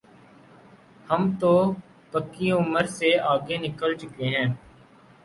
ہم تو پکی عمر سے آگے نکل چکے ہیں۔